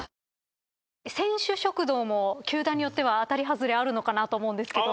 ぷはーっ球団によっては当たりハズレあるのかなと思うんですけど。